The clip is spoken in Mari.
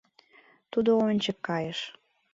Тудо ончык кайыш.